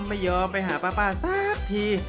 ไม่ยอมไปหาป้าสักที